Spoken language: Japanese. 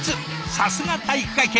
さすが体育会系！